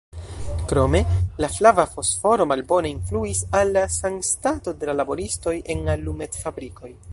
Krome, la flava fosforo malbone influis al la sanstato de la laboristoj en alumetfabrikoj.